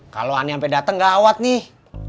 kalau ani sampai dateng gak awet nih